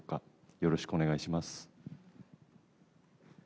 よろしくお願いします。